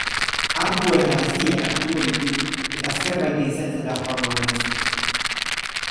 Arkua eta geziak hartuko ditut eta zerbait ehizatzera joango naiz.